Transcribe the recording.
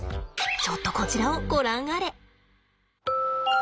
ちょっとこちらをご覧あれ。